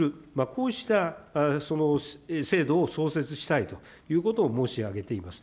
こうした制度を創設したいということを申し上げています。